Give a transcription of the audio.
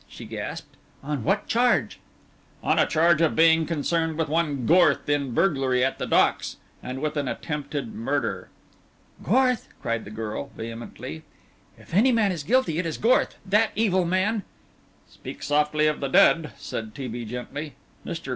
she gasped, "on what charge?" "On a charge of being concerned with one Gorth in burglary at the Docks and with an attempted murder." "Gorth!" cried the girl, vehemently. "If any man is guilty, it is Gorth that evil man " "Speak softly of the dead," said T. B. gently. "Mr.